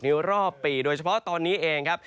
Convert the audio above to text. รอบปีโดยเฉพาะตอนนี้เองครับ